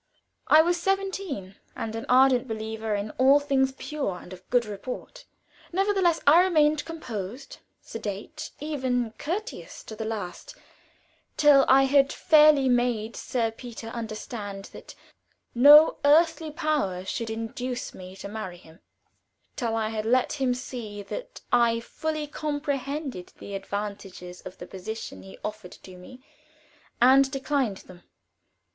I was seventeen, and an ardent believer in all things pure and of good report. Nevertheless, I remained composed, sedate, even courteous to the last till I had fairly made Sir Peter understand that no earthly power should induce me to marry him; till I had let him see that I fully comprehended the advantages of the position he offered me, and declined them.